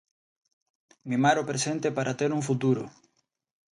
Mimar o presente para ter un futuro.